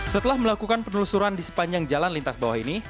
setelah melakukan penelusuran di sepanjang jalan lintas bawah ini